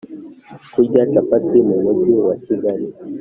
kurya capati mumujyi wa kigali.